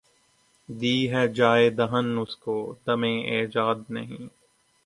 دی ہے جایے دہن اس کو دمِ ایجاد ’’ نہیں ‘‘